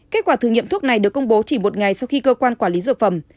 kết quả thử nghiệm thuốc này được công bố chỉ một ngày sau khi cơ quan quản lý dược phẩm